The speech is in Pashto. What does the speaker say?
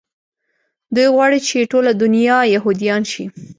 دوى غواړي چې ټوله دونيا يهودان شي.